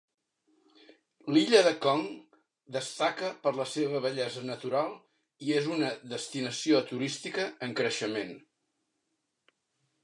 L'illa de Khong destaca per la seva bellesa natural i és una destinació turística en creixement.